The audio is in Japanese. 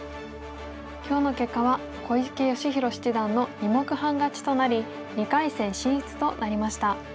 今日の結果は小池芳弘七段の２目半勝ちとなり２回戦進出となりました。